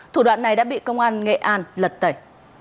thủ đoạn này đã bị công an nghệ an lật tẩy